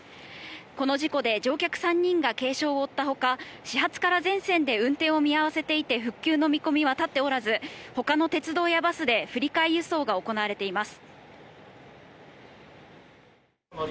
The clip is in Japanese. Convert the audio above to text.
この事故で乗客３人が軽傷を負ったほか、始発から全線で運転を見合わせていて、復旧の見込みは立っておらず、他の鉄道やバスで振り替え輸送が行われています。